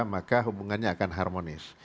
maka hubungannya akan harmonis